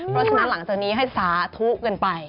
เพราะฉะนั้นหลังจากนี้ให้สาธุกันไป